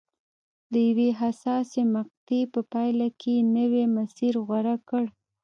د یوې حساسې مقطعې په پایله کې یې نوی مسیر غوره کړ.